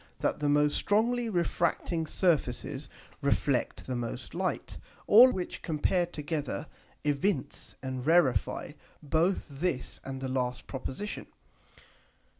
that the most strongly refracting Surfaces reflect the most Light: All which compared together evince and rarify both this and the last Proposition.